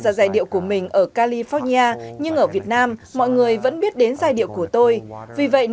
tôi tạo ra giai điệu của mình ở california nhưng ở việt nam mọi người vẫn biết đến giai điệu của mình ở một nơi rất xa so với nơi tôi tạo ra chúng